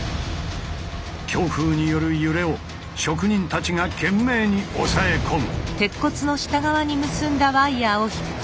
強風による揺れを職人たちが懸命に抑え込む。